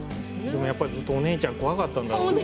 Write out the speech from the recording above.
でもやっぱりずっとお姉ちゃん怖かったんだろうね。